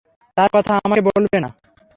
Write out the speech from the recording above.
তার কথা আমাকে বলবে না।